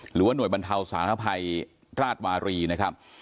หรือว่าหน่วยบรรเทาสารภัยราชวารีนะครับ